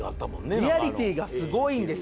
リアリティーがすごいんですよ。